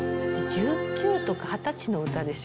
１９とか二十歳の歌でしょ？